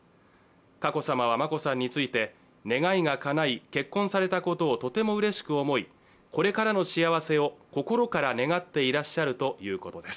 佳子さまは眞子さんについて願いがかない結婚されたことをとてもうれしく思いこれからの幸せを心から願っていらっしゃるということです。